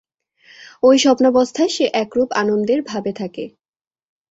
ঐ স্বপ্নাবস্থায় সে একরূপ আনন্দের ভাবে থাকে।